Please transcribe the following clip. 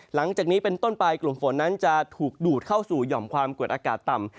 หลังจากนี้เป็นต้นไปกลุ่มฝนนั้นจะถูกดูดเข้าสู่หย่อมความกดอากาศต่ำ